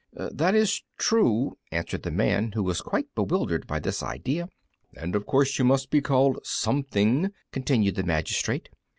"That is true," answered the Man, who was quite bewildered by this idea. "And of course you must be called something," continued the magistrate.